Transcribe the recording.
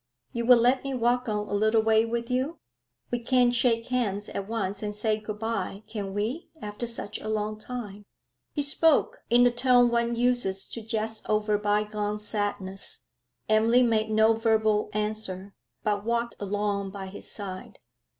'You will let me walk on a little way with you? We can't shake hands at once and say good bye, can we, after such a long time?' He spoke in the tone one uses to jest over bygone sadness. Emily made no verbal answer, but walked along by his side.